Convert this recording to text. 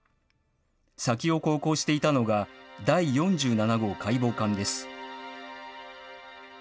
先を航行していたのが、第４７号海防艦です。